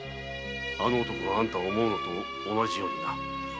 あの男があんたを思うのと同じようにな。